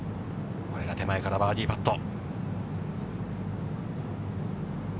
これが手前からバーディーパット。